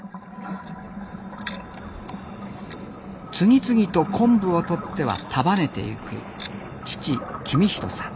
次々と昆布をとっては束ねてゆく父公人さん。